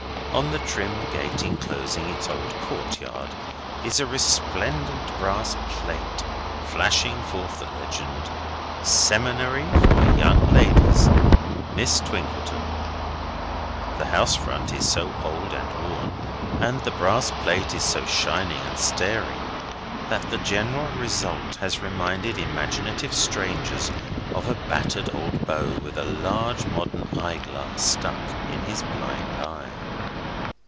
On the trim gate enclosing its old courtyard is a resplendent brass plate flashing forth the legend: "Seminary for Young Ladies. Miss Twinkleton." The house front is so old and worn, and the brass plate is so shining and staring, that the general result has reminded imaginative strangers of a battered old beau with a large modern eye glass stuck in his blind eye.